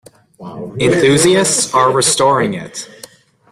Enthuiasts are restoring it.